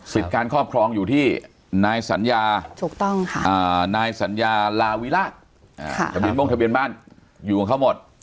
การครอบครองอยู่ที่นายสัญญานายสัญญาลาวิราชทะเบียนบ้งทะเบียนบ้านอยู่ของเขาหมด